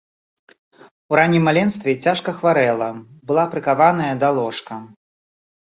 У раннім маленстве цяжка хварэла, была прыкаваная да ложка.